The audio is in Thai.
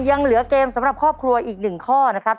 ยังเหลือเกมสำหรับครอบครัวอีก๑ข้อนะครับ